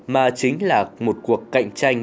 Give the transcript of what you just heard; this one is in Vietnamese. mà chính là một cuộc cạnh tranh